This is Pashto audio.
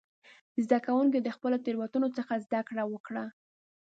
زده کوونکي د خپلو تېروتنو څخه زده کړه وکړه.